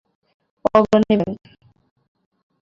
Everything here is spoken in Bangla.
অগ্রণী ব্যাংক।